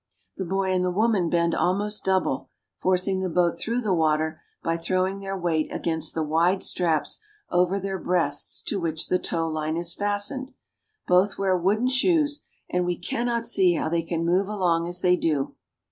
The boy and the woman bend almost double, forcing the boat through the water by throwing their weight against the wide straps over their breasts to which the towline is fastened. Both wear wooden shoes, and we cannot see how they can move along as they do.